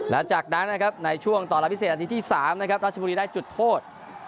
แล้วจากนั้นนะครับในช่วงต่อละพิเศษนาทีที่๓นะครับราชบุรีได้จุดโทษ